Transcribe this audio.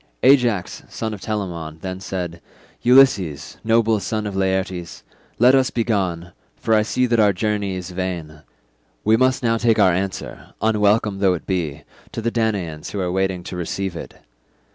Ajax son of Telamon then said, "Ulysses, noble son of Laertes, let us be gone, for I see that our journey is vain. We must now take our answer, unwelcome though it be, to the Danaans who are waiting to receive it.